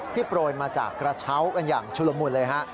โปรยมาจากกระเช้ากันอย่างชุลมุนเลยฮะ